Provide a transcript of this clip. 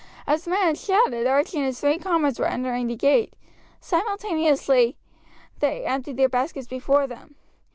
As the man had shouted, Archie and his three comrades were entering the gate. Simultaneously they emptied their baskets before them.